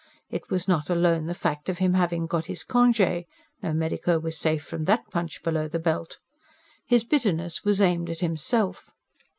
It was not alone the fact of him having got his conge no medico was safe from THAT punch below the belt. His bitterness was aimed at himself.